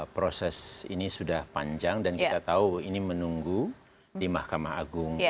proses ini sudah panjang dan kita tahu ini menunggu di mahkamah agung